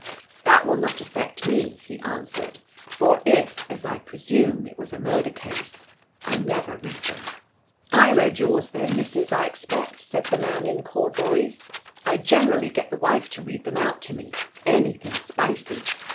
"That will not affect me," he answered, "for if, as I presume, it was a murder case, I never read them." "I read yours then, Missus, I expect," said the man in corduroys. " I generally get the wife to read them out to * me — anything spicy."